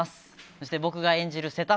そして、僕が演じる瀬田